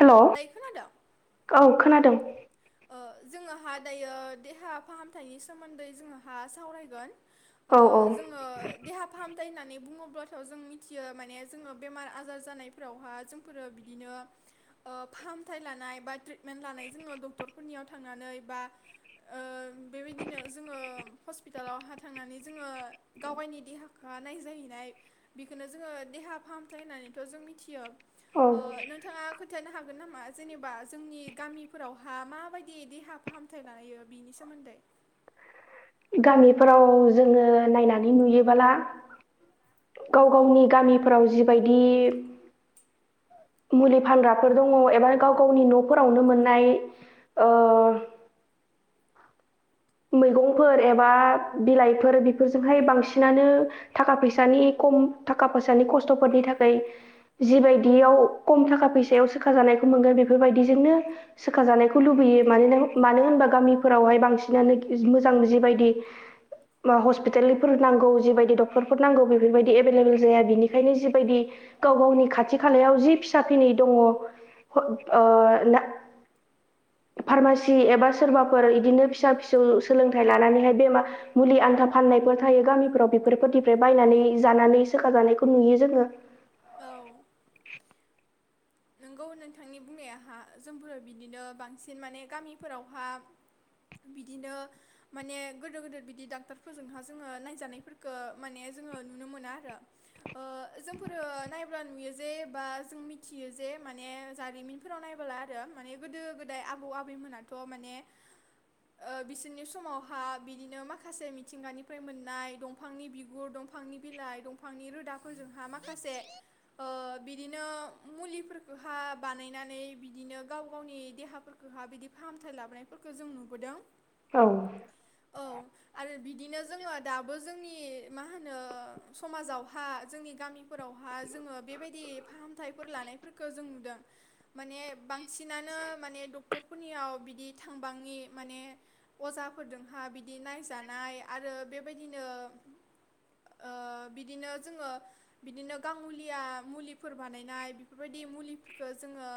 हेल' दायो खोनादों औ खोनादों ओ जोङोहा दायो देहा फाहामथायनि सोमोन्दै जोंहा सावरायगोन औ औ जोङो देहा फाहाम होननानै बुङोब्लाथ' जों मिथियो माने जोङो बेमार आजार जानायफोरावहा जोंफोरो बिदिनो फाहामथाय लानाय बा मेेन लानाय जोङो डक्टरफोरनियाव थांनानै नै बा ओ बेबायदिनो जोङो हस्पिटालावहा थांनानै जोङो गावगायनि देहा खौहा नायजाहैनाय बेखौनो जोङो देहा फाहामथाय होननानैथ जों मिथियो औ थानो हागोन नामा जेनेबा जोंनि गामिफोरावहा माबायदि देहा फाहामथाय लायो बेनि सोमोन्दै गामिफोराव जोङो नायनानै नुयोबाला गाव औ गावनि गामिफोराव जिब बायदि मुलि फानग्राफोर दङ एबा गाव गावनि नफोरावनो मोननाय ओ मैगंफोर एबा बिलाइफोर बेफोरजोंहाय बांसिनानो थाखा फैसानि खम थाखा फैसानि खस्थफोरनि थाखै जिबायदियाव खम थाखा फैसायाव सोखाजानायखौ मोनगोन बेफोरबायदिजोंनो सोखाजानायखौ लुबैयो मानोनों मानो होनबा गामिफोरावहाय बां सिनानो मोजां जिबायदि मा हस्पिटालफोर नांगौ जिबायदि डक्टरफोर नांगौ बेफोरबायदि एबेलेबेल जाया बिनिखायनो जिबायदि गाव गावनि खाथि खालायाव जि फिसा फिनै दङ फ ओ ना फार्मासि एबा सोरबाफोर इदिनो फिसा फिसौ सोलोंथाइ लानानैहाय बेमा मुलि आन्था फाननायफोर थायो गामिफोराव बेफोरफोरनिफ्राय बायनानै जानानै सोखाजानायखौ नुयो जोङो। औ नोंगौ नोंथांनि बुंनायाहा जोंफोरो बिदिनो बांसिन माने गामिफोरावहा बिदिनो माने गोदोर गोदिर बिदि डक्टरफोरजोंहा जोङो नायजानायफोरखो माने जोङो नुनो मोना आरो। ओ जोंफोरो नायब्ला नुयो जे बा जों मिथियो जे माने जारिमिनफोराव नायबाला आरो माने गोदो गोदाय आबौ आबैमोनाथ माने ओ बिसोरनि समावहा बिदिनो माखसे मिथिंगानिफ्राय मोननाय दंफांनि बिगुर दं फांनि बिलाइ, दंफांनि रो फोरजोंहा माखासे ओ बिदिनो मुलि फोरखोहा बानायनानै बिदिनो गाव गावनि देहाफोरखौहा बिदि फाहामथाय लाबोनायफोरखौ जों नुबोदों। औ औ आरो बिदिनो जोङो दाबो जोंनि मा होनो समाजावहा जोंनि गामि फोरावहा जोङो बेबायदि फाहामथायफोर लानाय दों माने बां सिनानो माने दक टरफोरनियाव बिदि थांबाङि माने अजाफोरदोंहा बिदि नायजानाय आरो बेबायदिनो ओ बिदिनो जोङो बिदिनो गाङुलिया मुलिफोर बानायनाय बेफोरबायदि मुलिफोरखो जोङो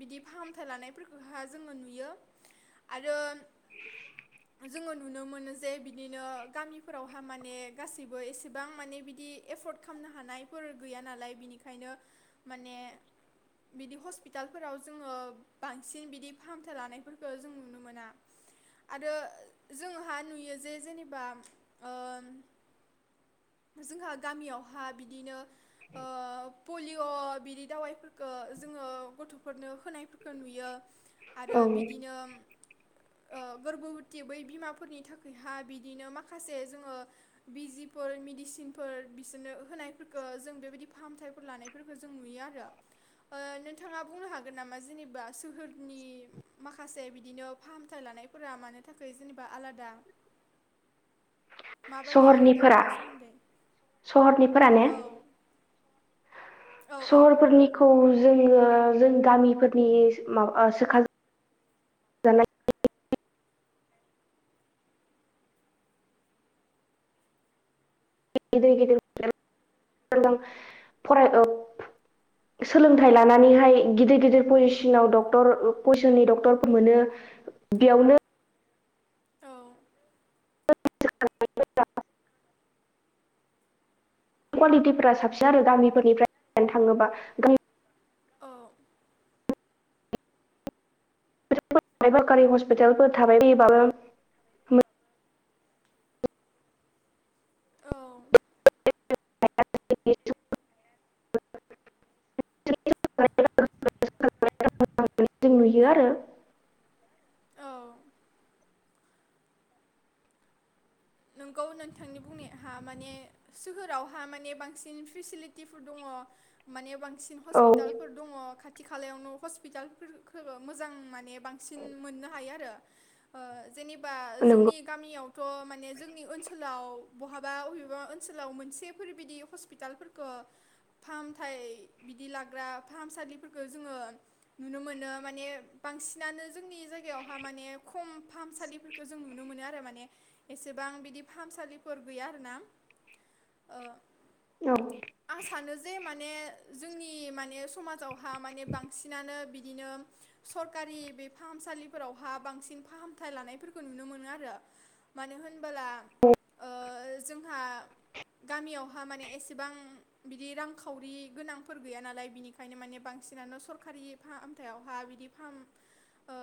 बिदि फाहामथाय लानायफोरखौहा जोङो नुयो आरो जोङो नुनो मोनो जे बिदिनो गामिफोरावहा माने गासैबो एसेबां माने बिदि एफर्ड खामनो हानायफोर गैया नालाय बिनिखायनो माने बिदि हस्पितालफोराव जोङो बांसिन बिदि फाहामथाय लानायफोरखो जों नुनो मोना आरो जोंहा नुयो जे जेनेबा ओ जोंहा गामियाव हा बिदिनो ओ पलिअ बिदि दावाइफोरखो जोङो गथफोरनो फोनायफोरखो नुयो। आरो औ बिदिनो ओ गोरबोबोटि बै बिमाफोरनि थाखैहा बिदिनो माखासे जोङो बिजिफोर मिडिसिनफोर बिसोरनो होनायफोरखो जों बेबायदि फाहामथाय फोर लानायफोरखो जों नुयो आरो ओ नोंथाङा बुंनो हागोन नामा जेनेबा सोहोरनि माखासे बिदिनो फाहामथाय लानायफोरा मानो थाखाय जेनेबा आलादा माबायदि आलादा सहरनिफोरा बिनि सोमोन्दै सहरनिफोरा ने औ। औ औ सहरफोरनिखौ जो जोङो जों गामिफोरनि मा ओ सोखा जानाय गिदिर गिदिर [inaudible] फराय ओ सोलोंथाइ लानानैहाय गिदिर गिदिर पजिसिनाव डक्टर पजिसननि डक्टरखौ मोनो बेयावनो औ कुवालिटिफोरा साबसि आरो गामिफोरनिफ्राय [inaudible] थाङोबा गामि औ [inaudible] सरखारि हस्पिटालफोर थाबाय बायोबाबो मो औ [unintelligible] [unintelligible] जों नुयो आरो। औ औ नोंगौ नोंथांनि बुंनायहा माने सोहोरावहा माने बांसिन फेसिलिटिफोर दङ माने बां सिन औ हस्पिटालफोर दङ खा थि खालायावनो हस्पिटालफोरखौ मोजां माने बांसिन मोननो हायो आरो। ओ जेनेबा नंगौ जोंनि गामियावथ' माने ओनसाव बहाबा अबेबा ओनसोलाव मोनसेफोरबिदि हस्पिटालफोरखो फाहामथाइ बिदि लाग्रा फाहामसालिफोरखो जोङो नुनो मोनो माने बांसिनानो जोंनि जायगायावहा माने खम फाहामसालिफोरखो जों नुनो मोनो आरो माने एसे बां बिदि फाहामसालिफोर गैया आरोना ओ आं सानो जे मान ने जोंनि माने समाजाव हा माने बांसिनानो बि दिनो सरकारि बे फाहामसालिफोरावहा बांसिन फाहामथाय लानायफोरखो नुनो मोनो आरो मानो होन बोला ओ जोंहा गामियावहा माने एसेबां बिदि रांखावरि गोनांफोर गैया नालाय बिनिखायनो माने बांसिनानो सरखारि फाहामथायावहा बिदि फाहाम ओ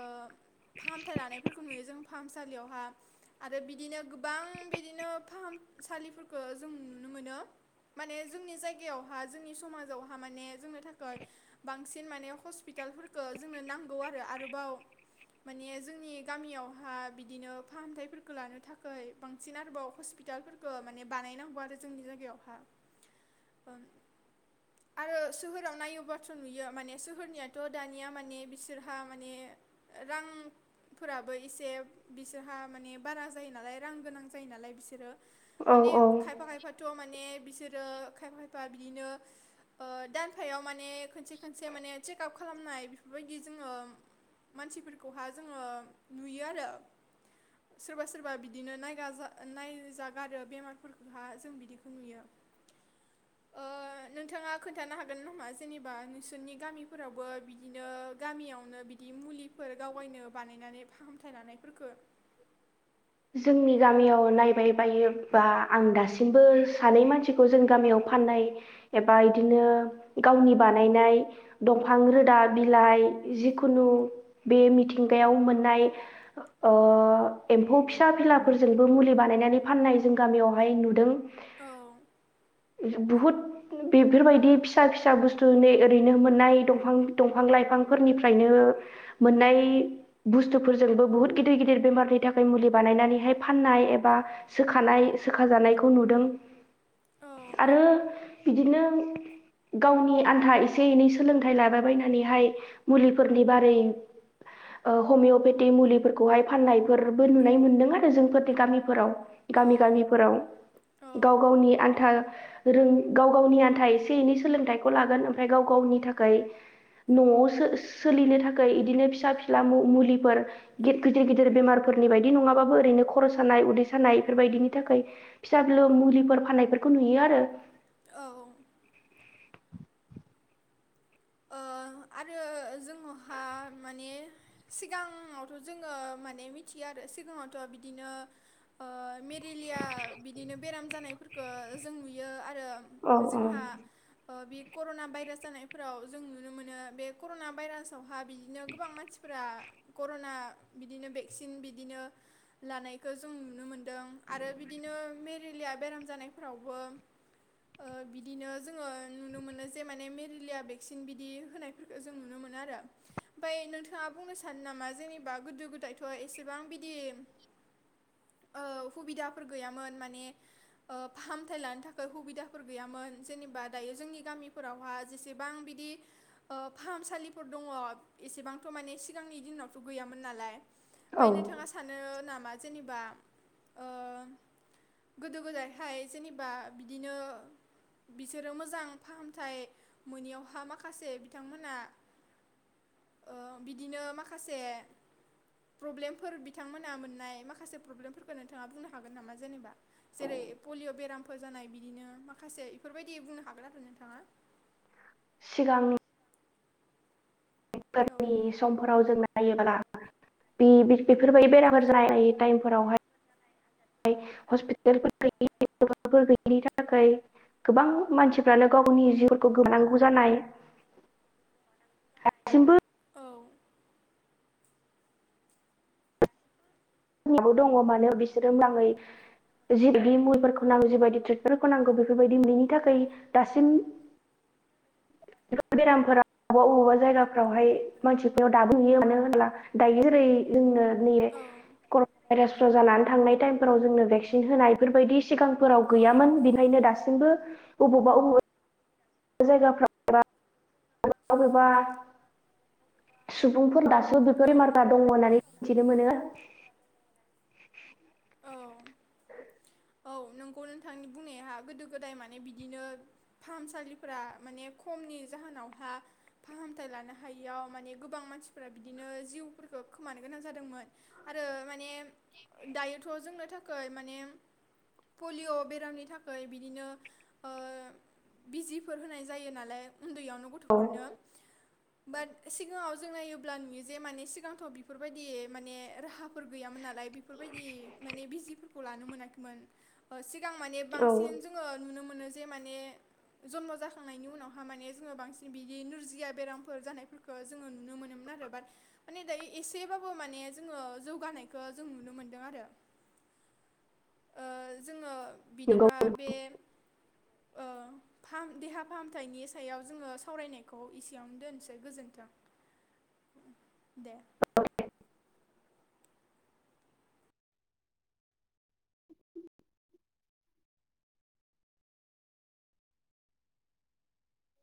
फाहामथाय लानायफोरखौ नुयो जों फाहामसालियावहा आरो बि- दिनो गोबां बिदिनो फाहामसालिफोरबो जों नुनो मोनो माने जोंनि जायगायावहा जोंनि समाजावहा माने जोंनो थाखै बांसिन माने हस्पिटालफोरखो जोंनो नांगौ आरो आरोबाव माने जोंनि गामियावहा बिदिनो फाहामथायफोरखो लानो थाखै बांसिन आरोबाव हस्पिटालफोरखो माने बानायनांगौ आरो जोंनि जायगायावहा आरो सोहोराव नायोब बाथ्रा नुयो माने सोहोरनियाथ' दानिया माने बिसोरहा माने रांफोराबो एसे बिसोरहा माने बारा जायो नालाय रां गोनां जायो नालाय बिसोरो औ माने औ खायफा खायफाथ' माने बिसोरो खायफा बा बिनो ओ दानफायाव माने खोनसे खोनसे माने सेकाप खालामनाय बेफोरबायदि जोङो मानसिफोरखौहा जोङो नुयो आरो सोरबा सोर- बा बिदिनो नायगाजा-नायजागारो बेमारफोरखौहा जों बिदिखौ नुयो ओ नोंथाङा खोन्थानो हागोन नामा जेनेबा नोंसोरनि गामिफोरावबो बिदिनो गामियावनो बिदि मुलिफोर गावबायनो बानायनानै फाहामथाय लानायफोरखो? जोंनि गामियाव नायबाय बायोबा आं दासिमबो सानै मानसिखौ जोंनि गामियाव फाननाय एबा इदिनो गावनि बानायनाय दंफां रोदा बिलाइ जिखुनु बे मिथिंगायाव मोननाय अ अ एम्फौ फिसा फिलाफोरजोंबो मुलि बानायनानै फाननाय जों गामियावहाय नुदों औ बुहुत बेफोरबायदि फिसा फिसा बुस्थुजोंनो ओरैनो मोननाय दंफां-दंफां लाइफांफोरनिफ्रायनो मोननाय बुस्थुफोरजोंबो बुहुत गिदिर गिद- दिर बेमारनि थाखाय मुलि बानायनानैहाय फाननाय एबा सोखानाय सोखाजानायखौ नुदों औ आरो बिदिनो गावनि आन्था एसे एनै सोलोंथाइ लाबायबायायनानैहाय मुलिफोरनि बारै ओ हमिय'पेथि मुलिफोरखौहाय फाननायफोरबो नुनाय मोन्दों आरो जोंफोरनि गामिफोराव औ गामि गामिफोराव औ गाव गावनि आन्था रों गाव गावनि आन्था एसे एनै सोलोंथाइखौ लागोन ओमफ्राय गाव गावनि थाखाय न'आव सो-सोलिनो थाखाय इदिनो फिसा फिला मु-मुलिफोर गेद- गिदिर गिदिर बेमारफोरनि बायदि नङाबाबो ओरैनो खर' सानाय उदै सानाय बेफोरबायदिनि थाखाय फिसा फिलौ मुलिफोर फाननायफोरखौ नुयो आरो औ। ओ आरो जोंनावहा माने सिगाङावथ' जोङो माने मिथियो आरो सिगाङावथ' बिदिनो ओ मे- रिलिया बिदिनो बेराम जानायफोरखो जों नुयो आरो औ जोंहा ओ बे कर'ना भाइरास जानायफोराव जों नुनो मोनो बे कर'ना भाइरासाव ओहा बिदिनो गोबां मानसिफोरा कर'ना बिदिनो भेक्सिन बिदिनो लानायखौ जों नुनो मोनदों दों आरो बिदिनो मेरेलिया बेराम जानायफोरावबो ओ बिदिनो जोङो नुनो मोनो जे माने मेलेरलिया भेक्सिन बिदि होनाय जों नुनो मोनो आरो ओमफ्राय नोंथाङा बुंनो सानो नामा जेनेबा गोदो गोदायथ' एसेबां बिदि ओ सुबिदाफोर गैयामोन माने फाहामथाय लानो थाखाय सुबिदाफोर गैयामोन जेनेबा दायो जोंनि गामिफोरावहा जेसेबां बिदि ओ फाहामसालिफोर दङ एसेबांथ' माने सिगांनि दिनावथ' गैयामोन नालाय औ ओमफ्राय नोंथाङा सानो नाम बा जेनेबा ओ गोदो गोदायहाय जेनेबा बिदिनो बिसोरो मोजां फाहामथाय मोनिआवहाय माखासे बिथांमोना ओ बिदिनो माखासे प्रब्लेमफोर बिथांमोना मोननाय माखासे प्रब्लेमफोरखौ नोंथाङा बुंनो हागोन नामा जेनेबा जेरै पलिय' बेरामफोर जानाय बिदिनो माखासे बेफोरबायदि बुंनो हागोन आरो नोंथाङा सिगांनि औ फोरनि समफोराव जोंना जायोब्ला बे बेफोरबायदि बेराफोर जायो टाइमफोरावहाय हस्पिटालफोर गैयाफोर गैयिनि थाखाय गोबां मानसिफ्रानो गावनि जिउखौ गोमानांगौ जानाय दासिमबो औ निबो दङ मानो बिसोरो मजङै जिबायदि मुुलिफोरखौ नांगौ जिबायदि ट्रिटमेन्टफोरखौ नांगौ बेफोरबायदि ननि थाखाय दासिम बेरामफोराव बबेबा बबेबा जायगाफोरावहाय मानसिफोराव दाबोयो मानो होनब्ला दायो ओरै जोंनो नै औ कर'ना भाइरासफ्राव जानानै थांनाय टाइमफोराव जोंनो भेक्सिन होनाय बेफोरबायदि सिगांफोराव गैयामोन बेनिखायनो दासिमबो बबावबा बबावबा जायगाफ्राव एबा आरोबा [unintelligible] सुबुंफोर दा [inaudible] बैफोर बेमारफ्रा दङ होननानै मिथिनो मोनो। [inaudible] औ औ औ नोंगौ नोंथांनि बुंनाया गोदो गोदाय माने बिदिनो फाहामसालिफोरा माने खमनि जाहोनावहा फाहामथाय लानो हायियाव माने गोबां मानसिफोरा बिदिनो जिउफोरखौ खोमानो गोनां जादोंमोन। आरो माने दायोथ' जोंनो थ'। गाय माने [inaudible] पलिय' बेरामनि थाखाय बिदिनो ओ बिजिफोर होनाय जायो नालाय उन्दैयावनो औ गथ'फोरनो बाट सिगाङाव जों नायोब्ला नुयो जे माने सिगां थ' बेफोरबायदि माने राहाफोर गैयामोन नालाय बेफोरबायदि माने बिजिफोरखौ लानो मोनाखै। मोन ओ सि सिगां माने औ बांसिन नंगौ जोङो नुनो मोनो जे माने जमन' जाखांनायनि उनावहाय माने जोङो बांसिन बिदि नोरजिया बेरामफोर जानायफोरखौ जोङो नुनो मोनोमोन आरो बाट माने दायो एसेबाबो माने जोङो जौगानायखौ जों नुनो मोनदों आरो ओ जोङो। बिदिबा बे ओ देहा फाहामथायनि सायाव जोङो सावरायनायखौ इसेयावनो दोनसै गोजोनथों दे।